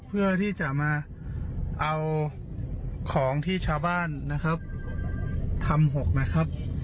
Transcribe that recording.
เพื่อที่จะมาเอาของที่ชาวบ้านนะครับทำ๖นะครับ